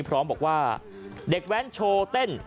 พร้อมบอกว่าเด็กแว้นโชว์เต้น